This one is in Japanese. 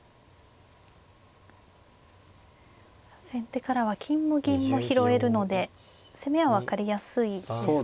先手からは金も銀も拾えるので攻めは分かりやすいですか。